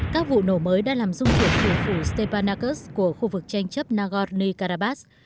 các vụ nổ mới đã làm rung chuột thủ phù stepanakert của khu vực tranh chấp nagorno karabakh